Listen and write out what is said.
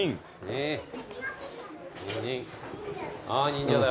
・忍者だ。